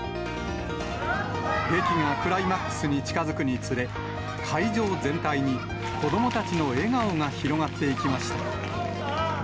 劇がクライマックスに近づくにつれ、会場全体に子どもたちの笑顔が広がっていきました。